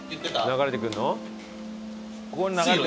流れてくるの？